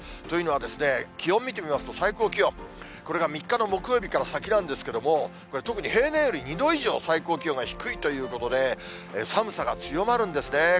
というのは、気温見てみますと、最高気温、これが３日の木曜日から先なんですけれども、これ、特に平年より２度以上最高気温が低いということで、寒さが強まるんですね。